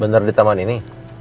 bener di taman ini